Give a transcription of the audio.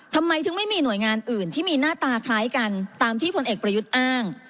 ทำไมถึงไม่มีหน่วยงานอื่นที่มีหน้าตาคล้ายกันตามที่พลเอกประยุทธ์อ้าง